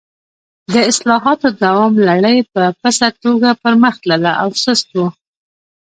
د اصلاحاتو دوام لړۍ په پڅه توګه پر مخ تلله او سست و.